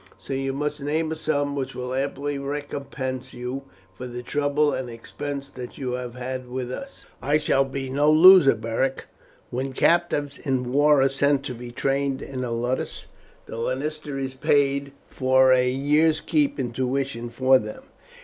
So you must name a sum which will amply recompense you for the trouble and expense that you have had with us." "I shall be no loser, Beric. When captives in war are sent to be trained in a ludus the lanista is paid for a year's keep and tuition for them.